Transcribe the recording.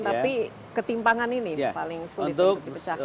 tapi ketimpangan ini paling sulit untuk dipecahkan